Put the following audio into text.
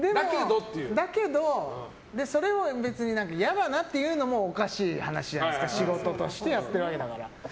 だけど、それを別に嫌だなって言うのもおかしい話じゃないですか仕事としてやってるわけだから。